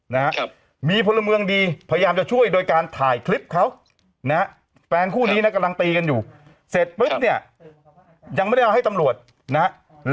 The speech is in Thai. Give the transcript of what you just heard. นะครับมีพลเมืองดีพยายามจะช่วยโดยการถ่ายคลิปเขานะฮะแฟนคู่นี้นะกำลังตีกันอยู่เสร็จปุ๊บเนี่ยยังไม่ได้เอาให้ตำรวจนะฮะ